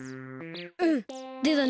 うんでたね。